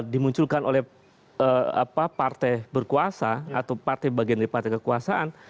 dimunculkan oleh partai berkuasa atau partai bagian dari partai kekuasaan